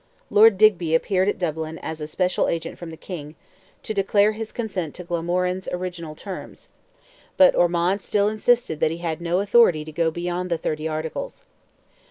Lord Digby appeared at Dublin as a special agent from the King, to declare his consent to Glamorgan's original terms; but Ormond still insisted that he had no authority to go beyond the Thirty Articles.